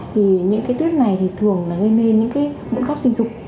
thì những cái tuyết này thì thường là gây nên những cái bụng góc sinh dục